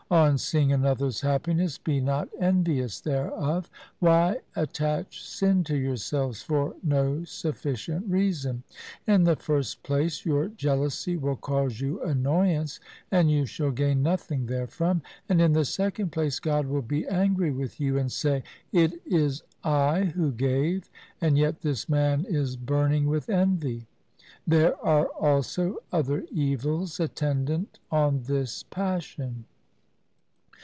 On seeing another's happiness be not envious thereof ; why attach sin to yourselves for no sufficient reason ? In the first place, your jealousy will cause you annoyance, and you shall gain nothing therefrom ; and, in the second place, God will be angry with you and say, "It is I who gave, and yet this man is burning with envy." There are also other evils attendant on this passion.